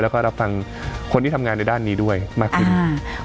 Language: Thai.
แล้วก็รับฟังคนที่ทำงานในด้านนี้ด้วยมากขึ้น